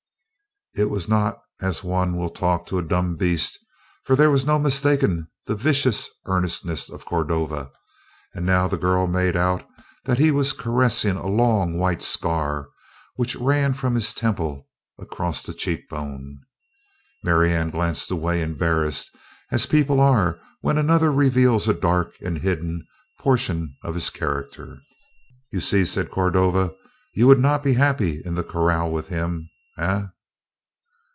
It was not as one will talk to a dumb beast, for there was no mistaking the vicious earnestness of Cordova, and now the girl made out that he was caressing a long, white scar which ran from his temple across the cheekbone. Marianne glanced away, embarrassed, as people are when another reveals a dark and hidden portion of his character. "You see?" said Cordova, "you would not be happy in the corral with him, eh?"